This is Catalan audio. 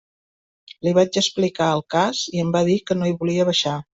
Li vaig explicar el cas i em va dir que no hi volia baixar.